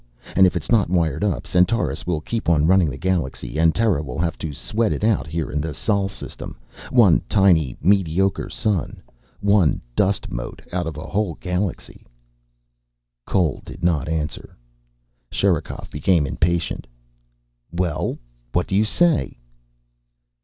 And if it's not wired up Centaurus will keep on running the galaxy and Terra will have to sweat it out here in the Sol system. One tiny mediocre sun, one dust mote out of a whole galaxy." Cole did not answer. Sherikov became impatient. "Well? What do you say?"